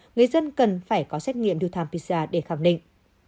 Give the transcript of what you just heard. người dân cần phải có xét nghiệm ritam pcr để khẳng định